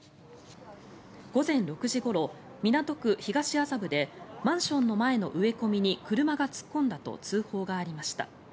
午前６時ごろ、港区東麻布でマンションの前の植え込みに車が突っ込んだと通報がありました。